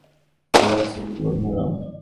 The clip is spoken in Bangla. পরে আস্তেধীরে বন্ধু হলাম।